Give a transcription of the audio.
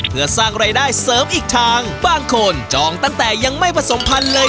เพื่อสร้างรายได้เสริมอีกทางบางคนจองตั้งแต่ยังไม่ผสมพันธุ์เลย